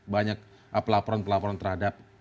banyak pelaporan pelaporan terhadap